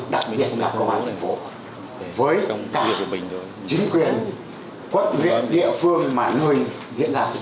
đặc biệt là công an tp với cả chính quyền quân luyện địa phương mà người diễn ra sự kiện